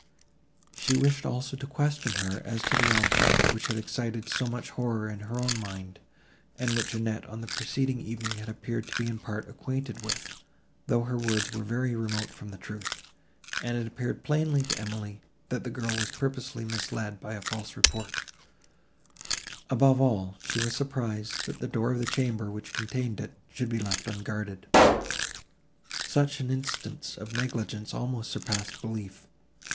She wished also to question her, as to the object, which had excited so much horror in her own mind, and which Annette on the preceding evening had appeared to be in part acquainted with, though her words were very remote from the truth, and it appeared plainly to Emily, that the girl had been purposely misled by a false report: above all she was surprised, that the door of the chamber, which contained it, should be left unguarded. Such an instance of negligence almost surpassed belief.